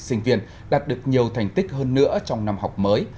sinh viên đạt được nhiều thành tích hơn nữa trong năm học mới